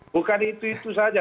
bukan itu itu saja